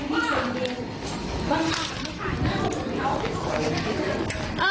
ไม่เป็นไร